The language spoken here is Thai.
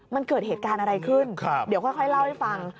มันเกิดเหตุการณ์อะไรขึ้นเดี๋ยวค่อยเล่าให้ฟัง